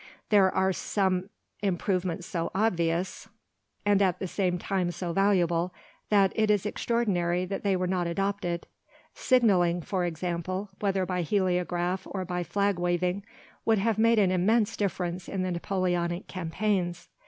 There are some improvements so obvious, and at the same time so valuable, that it is extraordinary that they were not adopted. Signalling, for example, whether by heliograph or by flag waving, would have made an immense difference in the Napoleonic campaigns.